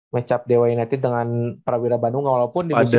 matchup dow united dengan prawira bandung walaupun di musim reguler